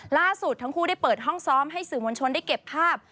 ล่าสุดทั้งคู่ได้เปิดห้องซ้อมให้สื่อมวลชนได้เก็บภาพ